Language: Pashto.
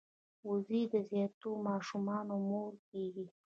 وزې د زیاتو ماشومانو مور کیږي